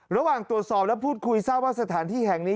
ระหว่างตรวจสอบและพูดคุยทราบว่าสถานที่แห่งนี้